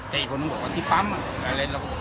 แต่อีกคนมองอ่ะพี่ปั๊มแล้วละน่ะ